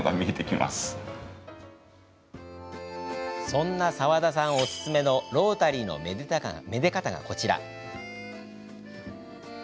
そんな澤田さんおすすめのロータリーのめで方が、こちら。